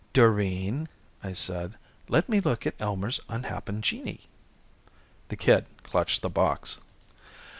"Doreen," I said, "let me look at Elmer's unhappen genii." The kid clutched the box.